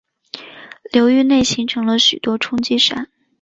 流域内形成了许多冲积扇。